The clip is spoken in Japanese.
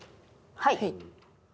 はい。